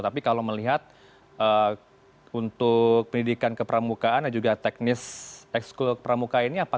tapi kalau melihat untuk pendidikan kepramukaan dan juga teknis ekskul kepramukaan ini apakah berubah